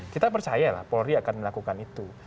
kita percaya lah polri akan melakukan itu